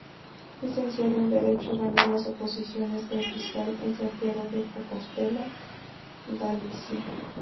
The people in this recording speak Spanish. Licenciado en Derecho ganó las oposiciones de Fiscal en Santiago de Compostela, Galicia.